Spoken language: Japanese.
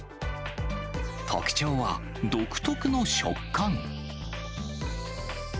特徴は独特の食感。